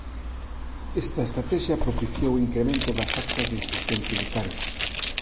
Esta estratexia propiciou o incremento das actas de inspección tributaria